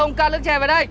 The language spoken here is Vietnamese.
ông cứ để xe đây này